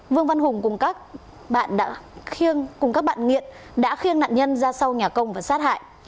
vương văn hùng cùng các bạn nghiện đã khiêng nạn nhân ra sau nhà công và sát hại